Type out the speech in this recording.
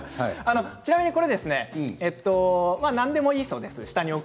ちなみにこちらなんですが何でもいいそうです。